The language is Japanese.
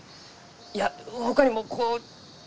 いやほかにもこう。